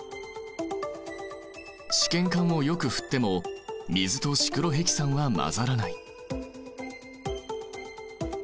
試験管をよく振っても水とシクロヘキサンは混ざらない。